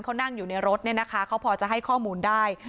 เขานั่งอยู่ในรถเนี่ยนะคะเขาพอจะให้ข้อมูลได้